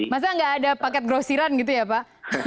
masa nggak ada paket grosiran gitu ya pak